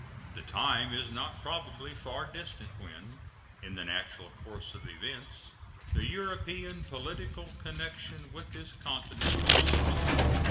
The time is not probably far distant when, in the natural course of events, the European political connection with this continent will cease.